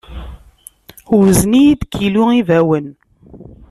Wzen-iyi-d kilu n yibawen.